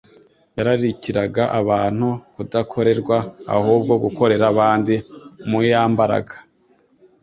Yararikiraga abantu kudakorerwa, ahubwo gukorera abandi; umuyambaraga,